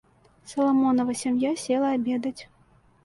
Саламонава сям'я села абедаць.